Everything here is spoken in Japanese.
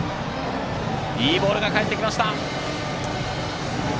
いいボールが返ってきた。